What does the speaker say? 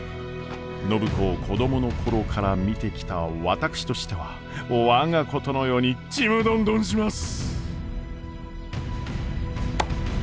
暢子を子供の頃から見てきた私としては我がことのようにちむどんどんします！